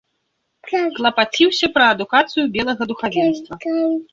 Клапаціўся пра адукацыю белага духавенства.